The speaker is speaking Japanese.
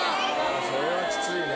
それはきついな。